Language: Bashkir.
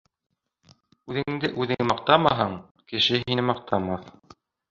Үҙенде үҙең маҡтамаһаң, Кеше һине маҡтамаҫ.